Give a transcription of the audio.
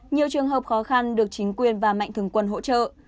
nhiều trường hợp khó khăn được chính quyền và mạnh thường quân hỗ trợ